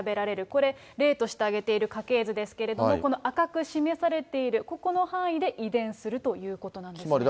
これ、例として挙げている家系図ですけれども、この赤く示されている、ここの範囲で遺伝するということなんですね。